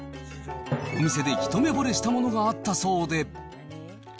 お店でひとめぼれしたものがあったそうで。